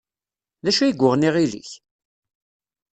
D acu i yuɣen iɣil-ik?